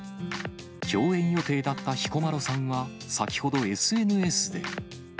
共演予定だった彦摩呂さんは、先ほどＳＮＳで。